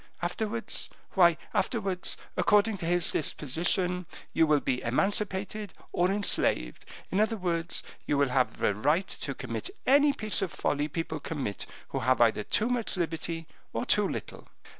Afterwards, why afterwards, according to his disposition, you will be emancipated or enslaved; in other words, you will have a right to commit any piece of folly people commit who have either too much liberty or too little.